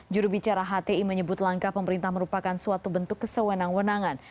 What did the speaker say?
jurubicara hti menyebut langkah pemerintah merupakan suatu bentuk kesewenang wenangan